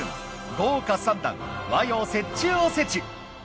豪華三段和洋折衷おせち。